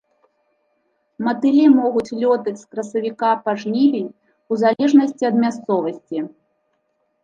Матылі могуць лётаць з красавіка па жнівень, у залежнасці ад мясцовасці.